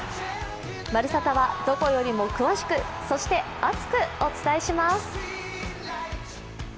「まるサタ」はどこよりも詳しく、そして熱くお伝えします。